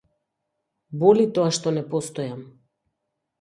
Боли тоа што не постојам.